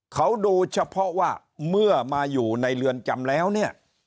เขาดูเฉพาะว่าเมื่อมาอยู่ในเรือนจำแล้วเนี่ย